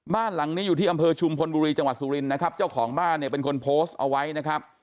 บ้านหลังนี้อยู่ที่อำเภอชุมพลบุรีจังหวัดสุรินทร์นะครับเจ้าของบ้านเนี่ยเป็นคนโพสต์เอาไว้นะครับ